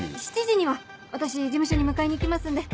７時には私事務所に迎えに行きますんで。